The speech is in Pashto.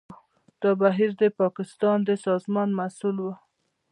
دا بهیر د پاکستان د سازمان محصول و.